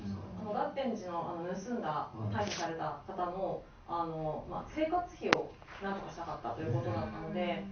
月天子の盗んだ、逮捕された方の生活費をなんとかしたかったということだったので。